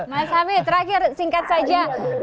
mas hamid terakhir singkat saja